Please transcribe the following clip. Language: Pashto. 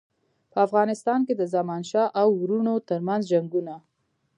په افغانستان کې د زمانشاه او وروڼو ترمنځ جنګونه.